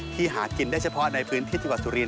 หากินได้เฉพาะในพื้นที่จังหวัดสุรินท